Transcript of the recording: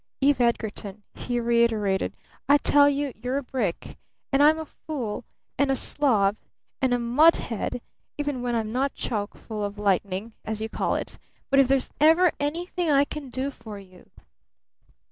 "Eve Edgarton," he reiterated, "I tell you you're a brick! And I'm a fool and a slob and a mutt head even when I'm not chock full of lightning, as you call it! But if there's ever anything I can do for you!"